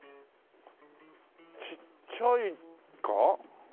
ちっちゃいか？